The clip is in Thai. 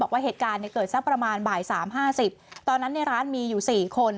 ว่าเหตุการณ์เนี่ยเกิดสักประมาณบ่ายสามห้าสิบตอนนั้นในร้านมีอยู่๔คน